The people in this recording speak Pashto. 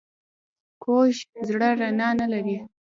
کوږ زړه رڼا نه لري